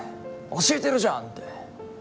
教えてるじゃんって。